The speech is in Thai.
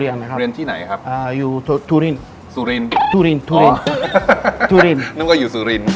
เลียนที่ไหนครับอยู่ทุรินสุรินทุรินนึกว่าอยู่สุริน